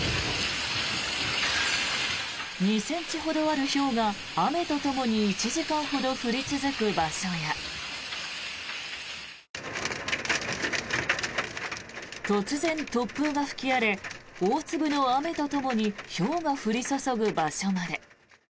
２ｃｍほどあるひょうが雨とともに１時間ほど降り続く場所や突然、突風が吹き荒れ大粒の雨とともにひょうが降り注ぐ場所まで。